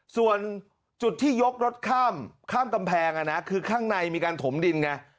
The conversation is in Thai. ส่วนจุดที่ยกรถข้ามกำแพงคือข้างในมีการถมดินไง